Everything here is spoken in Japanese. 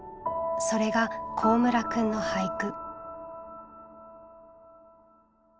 それが幸村くんの俳句。